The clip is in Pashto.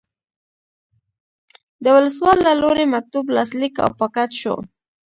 د ولسوال له لوري مکتوب لاسلیک او پاکټ شو.